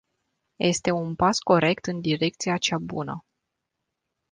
Este un pas corect în direcția cea bună.